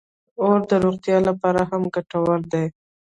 اوړه د روغتیا لپاره هم ګټور دي